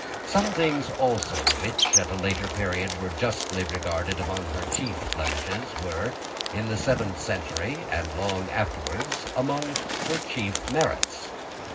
Some things also which at a later period were justly regarded as among her chief blemishes were, in the seventh century, and long afterwards, among her chief merits.